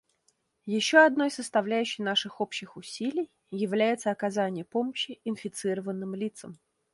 Еще одной составляющей наших общих усилий является оказание помощи инфицированным лицам.